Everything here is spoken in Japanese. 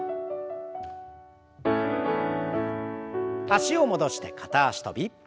脚を戻して片脚跳び。